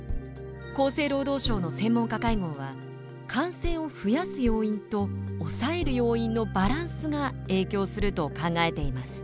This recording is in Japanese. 厚生労働省の専門家会合は感染を増やす要因と抑える要因のバランスが影響すると考えています。